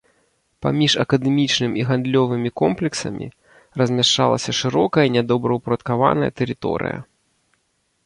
Паміж акадэмічным і гандлёвымі комплексамі размяшчалася шырокая нядобраўпарадкаваная тэрыторыя.